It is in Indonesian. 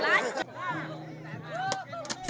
suara kian juga merangkul